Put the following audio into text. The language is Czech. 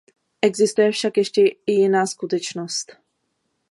Existuje však ještě i jiná skutečnost.